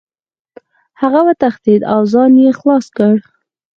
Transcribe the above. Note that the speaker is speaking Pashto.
هغه وتښتېد او ځان یې خلاص کړ.